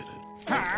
はあ？